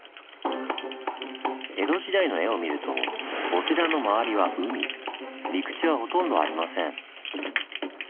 江戸時代の絵を見ると陸地はほとんどありません。